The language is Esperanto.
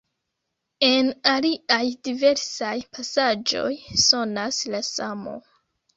En aliaj diversaj pasaĵoj sonas la samo.